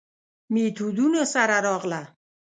میتودونو سره راغله.